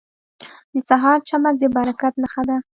• د سهار چمک د برکت نښه ده.